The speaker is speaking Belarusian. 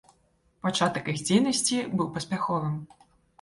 Пачатак іх дзейнасці быў паспяховым.